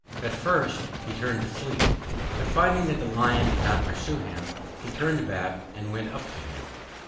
At first he turned to flee, but finding that the Lion did not pursue him, he turned back and went up to him.